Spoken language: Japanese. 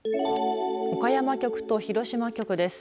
岡山局と広島局です。